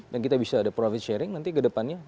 dan kita bisa ada profit sharing nanti kedepannya